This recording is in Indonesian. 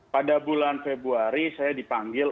pada bulan februari saya dipanggil